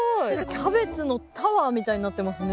キャベツのタワーみたいになってますね。